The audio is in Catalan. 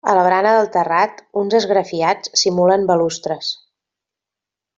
A la barana del terrat uns esgrafiats simulen balustres.